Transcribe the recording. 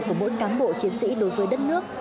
của mỗi cán bộ chiến sĩ đối với đất nước